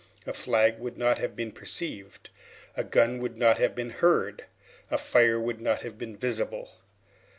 A flag would not have been perceived; a gun would not have been heard; a fire would not have been visible.